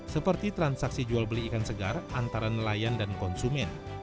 seperti transaksi jual beli ikan segar antara nelayan dan konsumen